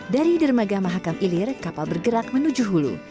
dari dermaga mahakam ilir kapal bergerak menuju hulu